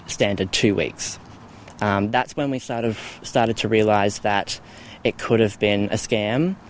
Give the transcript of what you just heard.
itu saat kami mulai mengerti bahwa itu mungkin adalah uang deposit